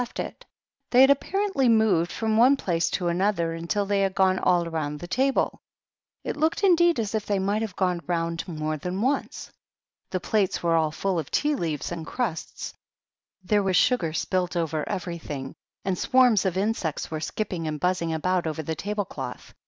left it. They had apparently moved from one place to another until they had gone all round the table; it looked, indeed, as if they might have gone round more than once. The plates were all full of tea leaves and crusts, there was sugar spilt over everything, and swarms of insects were skipping and buzzing about over the table cloth.